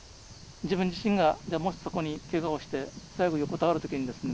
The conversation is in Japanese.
自分自身がもしそこにけがをして最後横たわる時にですね